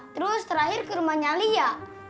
terus terakhir ke rumahnya lia